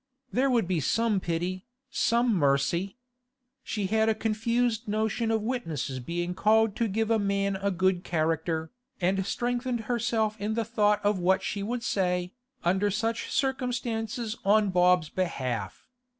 There would be some pity, some mercy. She had a confused notion of witnesses being called to give a man a good character, and strengthened herself in the thought of what she would say, under such circumstances on Bob's behalf.